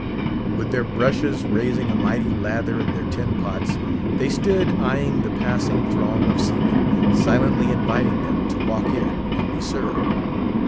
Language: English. With their brushes, raising a mighty lather in their tin pots, they stood eyeing the passing throng of seamen, silently inviting them to walk in and be served.